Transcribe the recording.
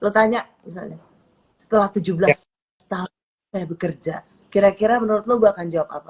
lu tanya setelah tujuh belas tahun bekerja kira kira menurut lu akan jawab apa